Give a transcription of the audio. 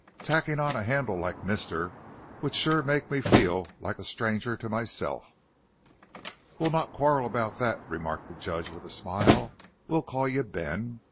"Tacking on a handle like 'Mister' would sure make me feel like a stranger to myself." "We'll not quarrel about that," remarked the Judge with a smile; "we'll call you Ben."